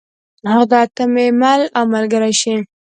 خدایه ته مې مل او ملګری شې.